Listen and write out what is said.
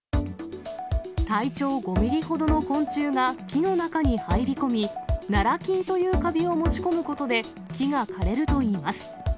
体長５ミリほどの昆虫が、木の中に入り込み、ナラ菌というカビを持ち込むことで、木が枯れるといいます。